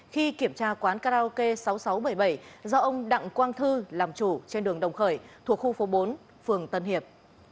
khi kiểm tra quán karaoke sáu nghìn sáu trăm bảy mươi bảy do ông đặng quang thư làm chủ trên đường đồng khởi thuộc khu phố bốn phường tân hiệp